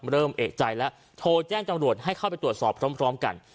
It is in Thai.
เริ่มเอกใจแล้วโทรแจ้งจำรวจให้เข้าไปตรวจสอบพร้อมกัน